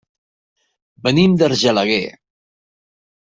Venim d'Argelaguer.